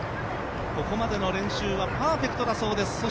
ここまでの練習はパーフェクトだそうです。